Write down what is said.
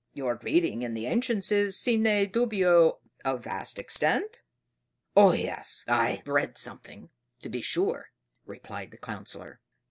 Your reading in the ancients is, sine dubio, of vast extent?" "Oh yes, I've read something, to be sure," replied the Councillor.